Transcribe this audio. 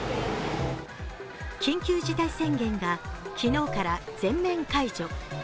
緊急事態宣言が昨日から全面解除。